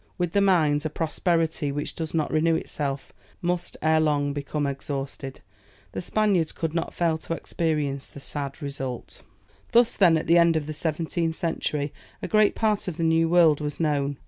With the mines a prosperity which does not renew itself, must ere long become exhausted. The Spaniards could not fail to experience the sad result. Thus then, at the end of the seventeenth century, a great part of the new world was known.